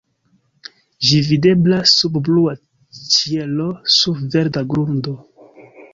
Ĝi videblas sub blua ĉielo sur verda grundo.